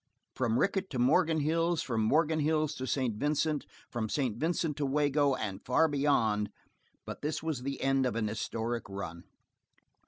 From Rickett to Morgan Hills, from Morgan Hills to St. Vincent, from St. Vincent to Wago and far beyond; but this was the end of an historic run.